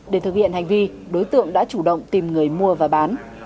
để thực hiện hành vi đối tượng đã chủ động tìm người mua và bán